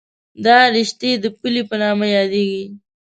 دا رشتې د پلې په نامه یادېږي.